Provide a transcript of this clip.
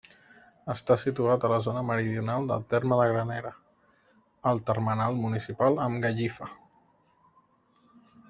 Està situat a la zona meridional del terme de Granera, al termenal municipal amb Gallifa.